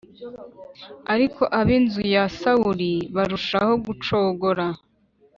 ariko ab’inzu ya Sawuli barushaho gucogora.